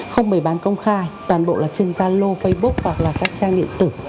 không bày bán công khai toàn bộ là trên gia lô facebook hoặc là các trang điện tử